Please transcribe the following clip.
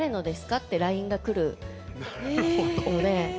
ってＬＩＮＥが来るので。